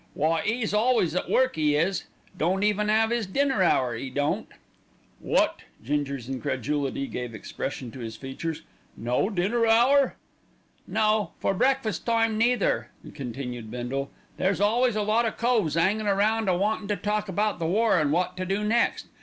"Why, 'e's always at work, 'e is. Don't even 'ave 'is dinner hour, 'e don't." "Wot!" Ginger's incredulity gave expression to his features. "No dinner hour?" "No; nor breakfast time neither," continued Bindle. "There's always a lot o' coves 'angin' round a wantin' to talk about the war an' wot to do next.